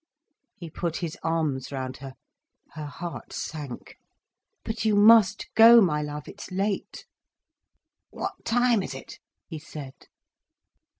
He put his arms round her. Her heart sank. "But you must go, my love. It's late." "What time is it?" he said.